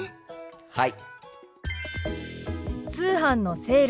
はい。